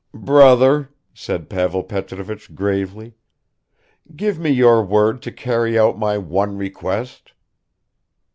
"Brother!" said Pavel Petrovich gravely. "Give me your word to carry out my one request."